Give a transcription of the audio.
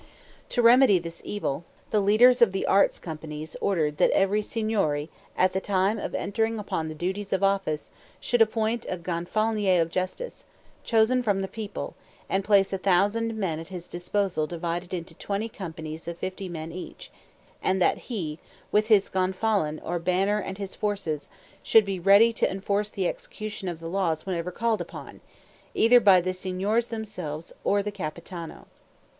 To remedy this evil, the leaders of the Arts' companies ordered that every Signory at the time of entering upon the duties of office should appoint a Gonfalonier of Justice, chosen from the people, and place a thousand armed men at his disposal divided into twenty companies of fifty men each, and that he, with his gonfalon or banner and his forces, should be ready to enforce the execution of the laws whenever called upon, either by the Signors themselves or the Capitano.